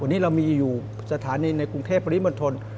วันนี้เรามีอยู่สถานีในกรุงเทพปริมณฑล